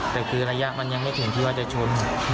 แต่คือระยะมันยังไม่ถึงที่ว่าจะชน